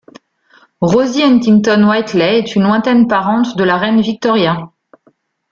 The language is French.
Rosie Huntington-Whiteley est une lointaine parente de la reine Victoria.